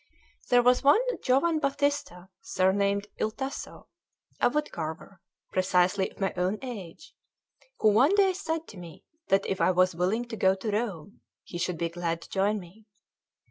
There was one Giovan Battista, surnamed Il Tasso, a wood carver, precisely of my own age, who one day said to me that if I was willing to go to Rome, he should be glad to join me.